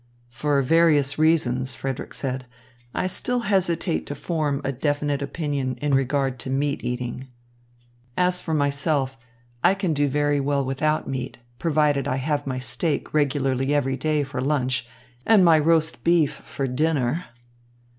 "For various reasons," Frederick said, "I still hesitate to form a definite opinion in regard to meat eating. As for myself, I can do very well without meat, provided I have my steak regularly every day for lunch and my roast beef for dinner."